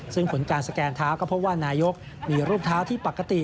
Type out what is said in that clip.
ซึ่งผลการสแกนเท้าก็พบว่านายกมีรูปเท้าที่ปกติ